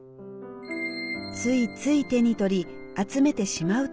ついつい手に取り集めてしまうという古布。